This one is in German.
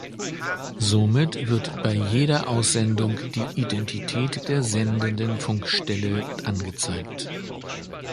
Somit wird bei jeder Aussendung die Identität der sendenden Funkstelle angezeigt.